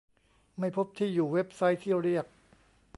ไม่พบที่อยู่เว็บไซต์ที่เรียก